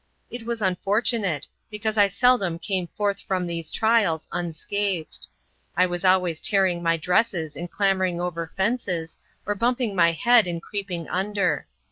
It was unfortunate, because I seldom came forth from these trials unscathed. I was always tearing my dresses in clambering over fences, or bumping my head in creeping under.